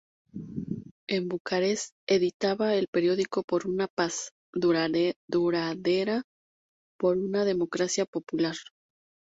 En Bucarest editaba el periódico "¡Por una paz duradera, por una democracia popular!